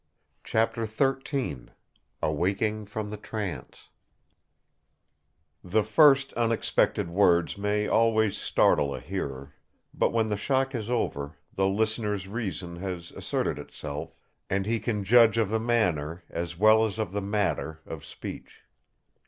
Chapter XIII Awaking From the Trance The first unexpected words may always startle a hearer; but when the shock is over, the listener's reason has asserted itself, and he can judge of the manner, as well as of the matter, of speech.